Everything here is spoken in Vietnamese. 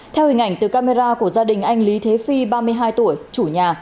theo hình ảnh từ camera của gia đình anh lý thế phi ba mươi hai tuổi chủ nhà